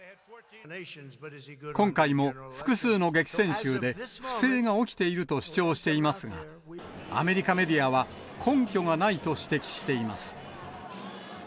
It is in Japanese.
今回も複数の激戦州で、不正が起きていると主張していますが、アメリカメディアは、根拠がないと指摘しています。